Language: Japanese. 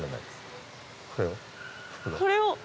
これを。